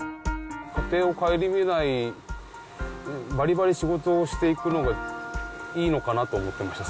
家庭を顧みない、ばりばり仕事をしていくのがいいのかなと思ってました、